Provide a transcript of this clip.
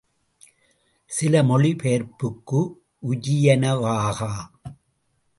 சில மொழி பெயர்ப்புக்கு உரியனவாகா!